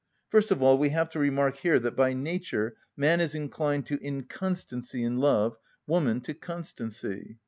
First of all we have to remark here that by nature man is inclined to inconstancy in love, woman to constancy.